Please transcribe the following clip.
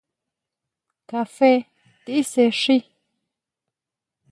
Kafé tisexi.